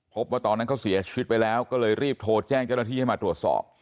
พบว่าตอนนั้นเขาเสียชีวิตไปแล้วก็เลยรีบโทรแจ้งเจ้าหน้าที่ให้มาตรวจสอบ